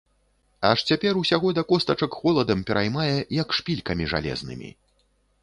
Аж цяпер усяго да костачак холадам пераймае, як шпількамі жалезнымі.